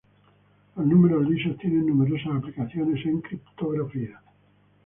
Los números lisos tienen numerosas aplicaciones en criptografía.